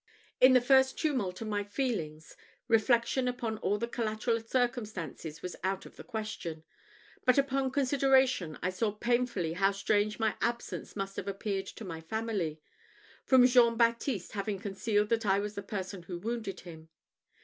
In the first tumult of my feelings, reflection upon all the collateral circumstances was out of the question; but upon consideration, I saw painfully how strange my absence must have appeared to my family, from Jean Baptiste having concealed that I was the person who wounded him.